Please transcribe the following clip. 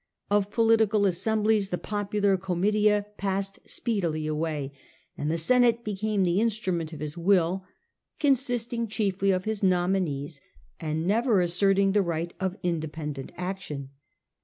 Of political assemblies check or the popular passed speedily away, and balance. Senate became the instrument of his will, consisting chiefly of his nominees, and never asserting the right of independent action.